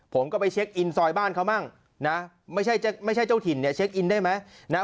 ผมก็ไปเช็คอินซอยบ้านเขามั่งนะไม่ใช่ไม่ใช่เจ้าถิ่นเนี่ยเช็คอินได้ไหมนะ